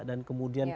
dan kemudian semua